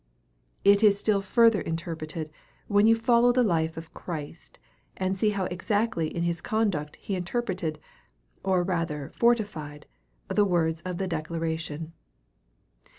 It is still further interpreted when you follow the life of Christ, and see how exactly in his conduct he interpreted, or rather fortified, the words of the declaration.